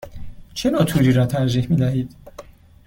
چه نوع توری را ترجیح می دهید؟